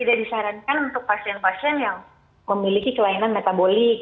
tidak disarankan untuk pasien pasien yang memiliki kelainan metabolik